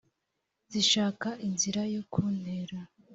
zishaka inzira yo kuntera